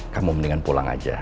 kamu mendingan pulang aja